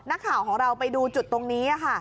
นักข่าวของเราลองไปดูจุดตรงนี้